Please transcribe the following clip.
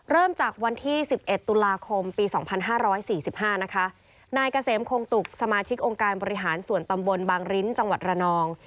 เริ่มจากวันที่๑๑ตุลาคมปี๒๕๔๕นะคะนายเกษมคงตุกสมาชิกองค์การบริหารส่วนตำบลบางริ้นจังหวัดระนอง